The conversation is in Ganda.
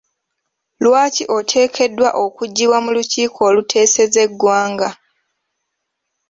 Lwaki ateekeddwa okuggibwa mu lukiiko oluteeseza eggwanga?